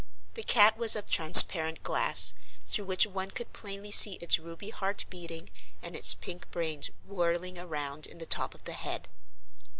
The cat was of transparent glass, through which one could plainly see its ruby heart beating and its pink brains whirling around in the top of the head.